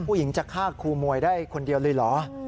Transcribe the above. ผู้หญิงจะฆ่าครูมวยได้คนเดียวเลยเหรอ